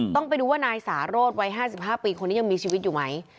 ต้องไปดูว่านายสารสวัย๕๕ปีคนนี้ยังมีชีวิตอยู่ไหม